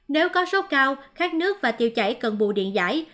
nếu có sốt cao các nước và tiêu chảy cần bù điện giải